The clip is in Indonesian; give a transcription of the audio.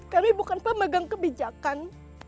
kami bukan pemegang kebijakan